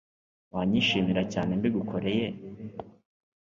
wanyishimira cyane mbigukoreye